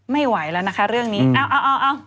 ไม่ไหวแล้วนะคะเรื่องนี้เอาเอา